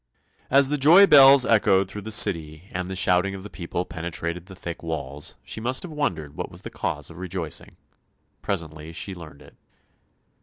As the joy bells echoed through the City and the shouting of the people penetrated the thick walls she must have wondered what was the cause of rejoicing. Presently she learnt it.